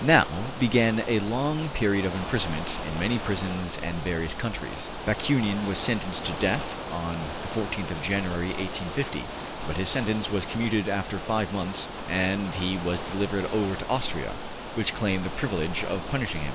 Now began a long period of imprisonment in many prisons and various countries. Bakunin was sentenced to death on the 14th of January, 1850, but his sentence was commuted after five months, and he was delivered over to Austria, which claimed the privilege of punishing him.